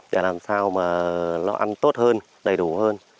để làm sao mà nó ăn tốt hơn đầy đủ hơn